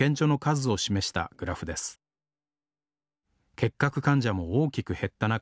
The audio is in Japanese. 結核患者も大きく減った中